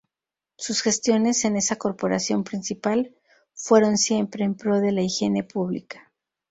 Sus gestiones en esa corporación municipal fueron siempre en pro de la higiene pública.